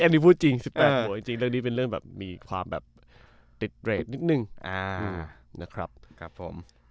เอ่อแอกนี้พูดจริง๑๘โหเป็นเรื่องที่มีความโดยคอยสาวอีกเนาะ